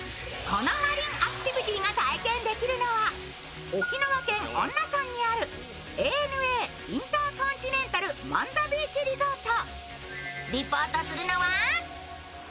このマリンアクティビティーが体験できるのは、沖縄県恩納村にあるＡＮＡインターコンチネンタル万座ビーチリゾート。